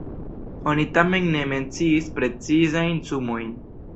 Oni tamen ne menciis precizajn sumojn.